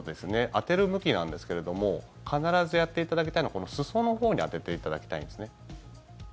当てる向きなんですけれども必ずやっていただきたいのはこの裾のほうに当てていただきたいんですね。